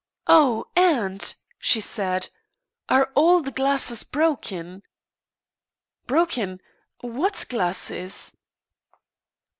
"Oh, aunt!" she said, "are all the glasses broken?" "Broken what glasses?"